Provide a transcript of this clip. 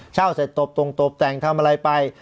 เช่าเสร็จตบตรงตบแต่งทำอะไรไป